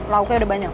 lauknya udah banyak